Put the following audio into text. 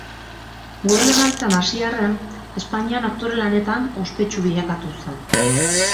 Modelo lanetan hasi arren, Espainian aktore lanetan ospetsu bilakatu zen.